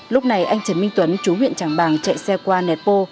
lúc này anh trần minh tuấn chú huyện tràng bàng chạy xe qua nẹt bô